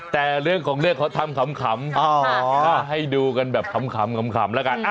แต่เรื่องของเรื่องเขาทำขำให้ดูกันแบบขำแล้วกัน